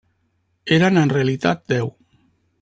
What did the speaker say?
Eren en realitat deu.